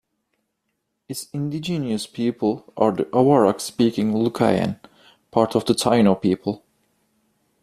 Its indigenous people are the Arawak-speaking Lucayan, part of the Taino people.